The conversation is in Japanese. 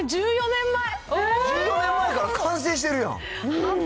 １４年前から完成してるやん。